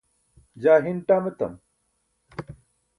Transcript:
jaa hin ṭam etam